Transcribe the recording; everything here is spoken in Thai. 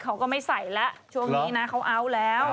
เขาก็ไม่ใส่แล้วช่วงนี้นะเขาเอาแล้ว